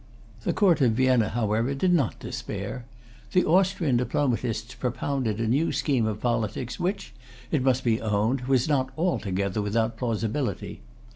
The Court of Vienna, however, did not despair. The Austrian diplomatists propounded a new scheme of politics, which, it must be owned, was not altogether without plausibility.